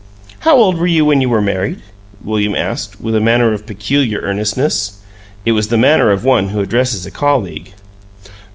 "How old were you when you were married?" William asked, with a manner of peculiar earnestness; it was the manner of one who addresses a colleague.